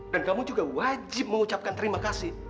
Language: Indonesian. dan kamu juga wajib mengucapkan terima kasih